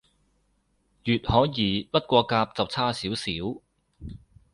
乙可以，不過甲就差少少